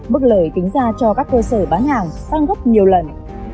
mức lời tính ra cho các cơ sở bán hàng tăng gấp nhiều lần